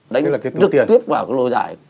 đánh trực tiếp vào lâu dài